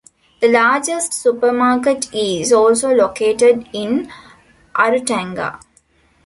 The largest supermarket is also located in Arutanga.